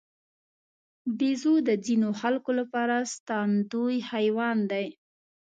بیزو د ځینو خلکو لپاره ساتندوی حیوان دی.